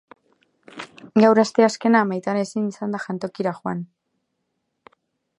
Gaur, asteazkena, Maitane ezin izan da jantokira joan.